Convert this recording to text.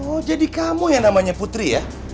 oh jadi kamu yang namanya putri ya